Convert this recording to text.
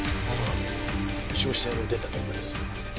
焼死体の出た現場です。